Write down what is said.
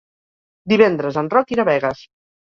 Divendres en Roc irà a Begues.